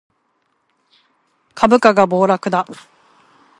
株価が暴落だ